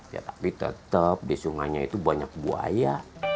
ya tapi tetap di sungainya itu banyak buaya